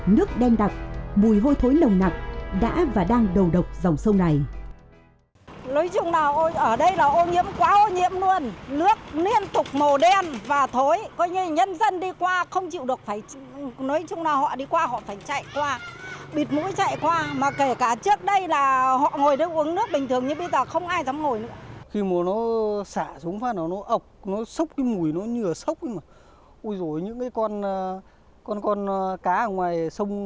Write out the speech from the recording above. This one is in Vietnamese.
nước đen đặc mùi hôi thối nồng nặng đã và đang đầu độc dòng sông này